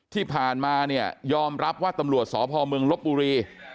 ที่ผ่านมายอมรับว่าตำรวจสพมลบบูรี